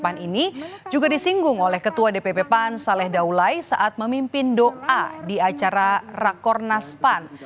pertemuan ini juga disinggung oleh ketua dpp pan saleh daulai saat memimpin doa di acara rakornas pan